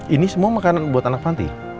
ini semua makanan buat anak panti